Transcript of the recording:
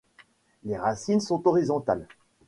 Les racines sont horizontales.